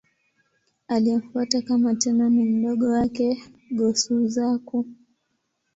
Aliyemfuata kama Tenno ni mdogo wake, Go-Suzaku.